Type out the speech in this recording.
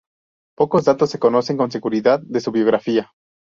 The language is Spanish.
Pocos datos se conocen con seguridad de su biografía.